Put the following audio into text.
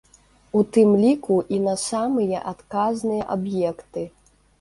У тым ліку і на самыя адказныя аб'екты.